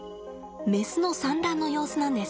メスの産卵の様子なんです。